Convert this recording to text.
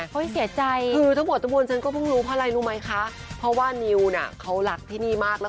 ตอนนี้เราก็ต้องปรับชีวิตกันใหม่แล้ว